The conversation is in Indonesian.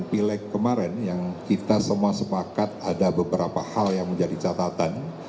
pileg kemarin yang kita semua sepakat ada beberapa hal yang menjadi catatan